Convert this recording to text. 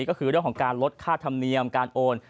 ก็คือเรื่องของการลดค่าธรรมเนียมการโอน